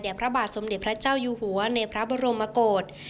พระบาทสมเด็จพระเจ้าอยู่หัวในพระบรมกฏ